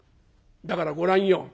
だからご覧よ